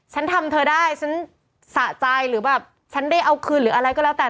ฉันทำเธอได้ฉันสะใจหรือแบบฉันได้เอาคืนหรืออะไรก็แล้วแต่